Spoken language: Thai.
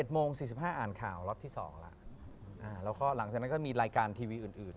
โมง๔๕อ่านข่าวล็อตที่๒แล้วแล้วก็หลังจากนั้นก็มีรายการทีวีอื่น